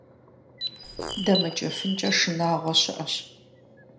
ДэмыкӀыфынкӀэ шынагъуэ щыӀэщ.